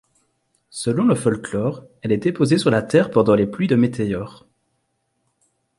Selon le folklore, elle est déposée sur la terre pendant les pluies de météores.